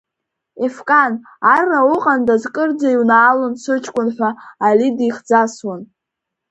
Ефкан, Арра уҟандаз кырӡа иунаалон сыҷкәын ҳәа Али дихӡасуан.